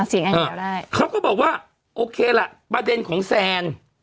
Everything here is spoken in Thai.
เสียงอย่างเดียวได้เขาก็บอกว่าโอเคล่ะประเด็นของแซน